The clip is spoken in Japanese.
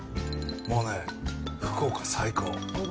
もうね、福岡最高。